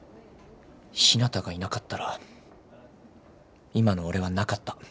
ひなたがいなかったら今の俺はなかった。